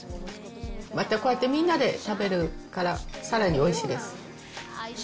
またこうやってみんなで食べるから、さらにおいしいです。